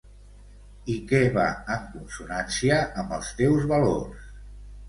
I què va en consonància amb els teus valors.